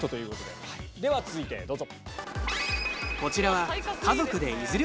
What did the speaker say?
では続いてどうぞ！